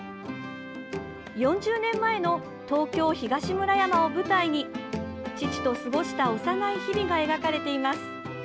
４０年前の東京・東村山を舞台に父と過ごした幼い日々が描かれています。